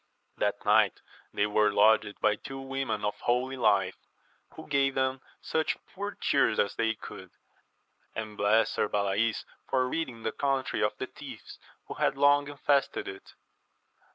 That night they were lodged by two women of holy life, who gave them such poor cheer as they could, and blessed Sir Balays for ridding the country of the thieves who had long infested it.